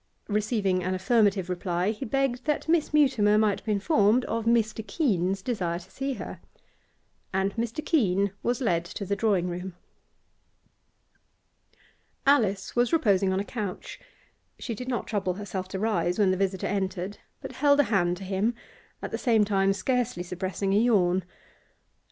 Receiving an affirmative reply, he begged that Miss Mutimer might be informed of Mr. Keene's desire to see her. And Mr. Keene was led to the drawing room. Alice was reposing on a couch; she did not trouble herself to rise when the visitor entered, but held a hand to him, at the same time scarcely suppressing a yawn.